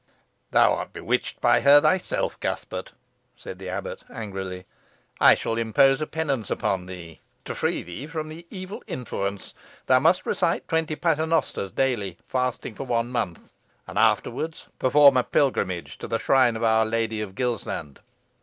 "Thou art bewitched by her thyself, Cuthbert," said the abbot, angrily. "I shall impose a penance upon thee, to free thee from the evil influence. Thou must recite twenty paternosters daily, fasting, for one month; and afterwards perform a pilgrimage to the shrine of our Lady of Gilsland.